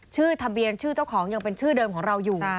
ชื่อทะเบียนชื่อเจ้าของยังเป็นชื่อเดิมของเราอยู่